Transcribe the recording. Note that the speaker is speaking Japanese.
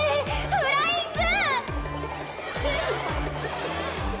フ・ラ・イ・ン・グ。